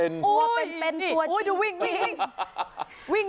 มื้อเป็นตัวดิอุ้ยที่วิ่งวิ่ง